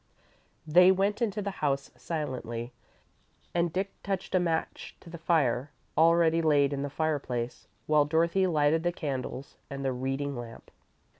They went into the house silently, and Dick touched a match to the fire already laid in the fireplace, while Dorothy lighted the candles and the reading lamp.